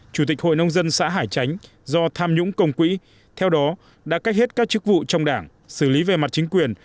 chủ tịch hội nông dân xã hải chánh do tham nhũng công quỹ theo đó đã cách hết các chức vụ trong đảng xử lý về mặt chính quyền